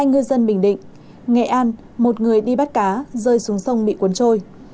hai ngư dân bình định nghệ an một người đi bắt cá rơi xuống sông bị cuốn trôi